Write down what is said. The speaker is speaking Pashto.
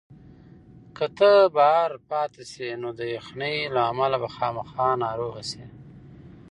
که ته بهر پاتې شې نو د یخنۍ له امله به خامخا ناروغه شې.